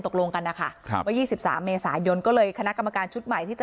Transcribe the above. ตกลงกันนะคะว่า๒๓เมษายนก็เลยคณะกรรมการชุดใหม่ที่จะ